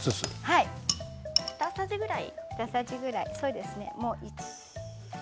２さじぐらい。